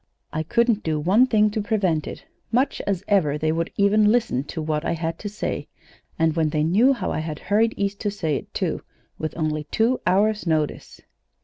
I couldn't do one thing to prevent it. Much as ever as they would even listen to what I had to say and when they knew how I had hurried East to say it, too, with only two hours' notice!